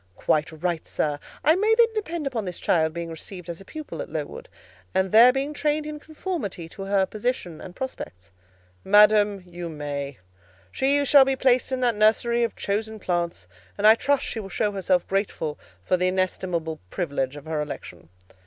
"Quite right, sir. I may then depend upon this child being received as a pupil at Lowood, and there being trained in conformity to her position and prospects?" "Madam, you may: she shall be placed in that nursery of chosen plants, and I trust she will show herself grateful for the inestimable privilege of her election."